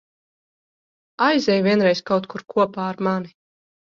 Aizej vienreiz kaut kur kopā ar mani.